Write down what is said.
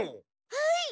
はい。